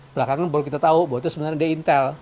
belakangan baru kita tahu bahwa itu sebenarnya dia intel